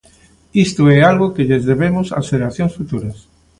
Isto é algo que lles debemos ás xeracións futuras.